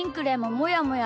もやもや。